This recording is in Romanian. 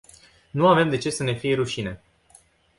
Nu avem de ce să ne fie rușine.